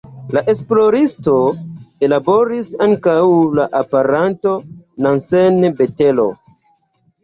La esploristo ellaboris ankaŭ la aparaton Nansen-botelo.